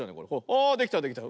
あできたできた。